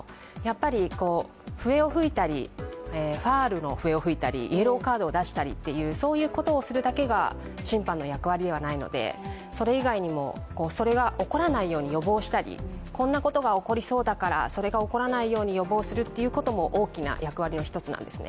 笛を吹いたりファウルの笛を吹いたり、イエローカードを出したり、そういうことをするだけが審判の役割ではないので、それ以外にも、それが起こらないように予防したりこんなことが起こりそうだから、それが起こらないように予防するっていうことも大きな役割の一つなんですね。